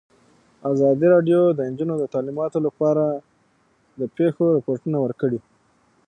ازادي راډیو د تعلیمات د نجونو لپاره په اړه د پېښو رپوټونه ورکړي.